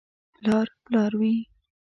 • پلار پلار وي.